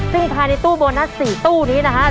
ซึ่งภายในตู้โบนัส๔ตู้นี้นะครับ